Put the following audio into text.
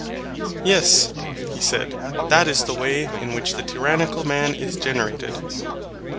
Yes, he said, that is the way in which the tyrannical man is generated.